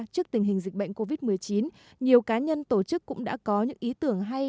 trước tình hình dịch bệnh covid một mươi chín nhiều cá nhân tổ chức cũng đã có những ý tưởng hay